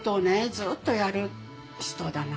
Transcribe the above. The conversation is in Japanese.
ずっとやる人だなと。